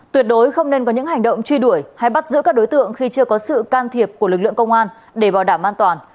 tuyệt đối không nên có những hành động truy đuổi hay bắt giữ các đối tượng khi chưa có sự can thiệp của lực lượng công an để bảo đảm an toàn